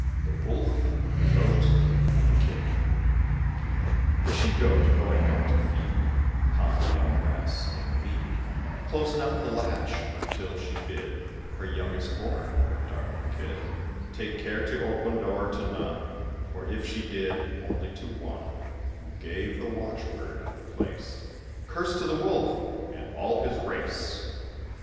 THE WOLF, THE GOAT, AND THE KID. The She Goat going out to feed Upon the young grass in the mead, Closed not the latch until she bid Her youngest born, her darling kid, Take care to open door to none, Or if she did, only to one Who gave the watchword of the place "Curse to the Wolf and all his race!"